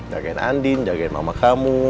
jagain andin jagain mama kamu